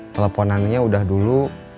teleponannya udah dulu